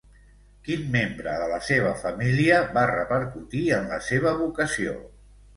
Quin membre de la seva família va repercutir en la seva vocació?